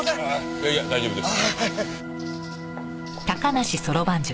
いやいや大丈夫です。